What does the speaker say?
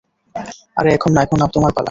আরে এখন না, এখন তোমার পালা!